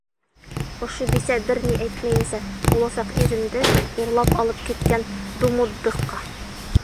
Ошо бисә бер ни әйтмәйенсә, буласаҡ иремде урлап алып киткән думуттыхҡа!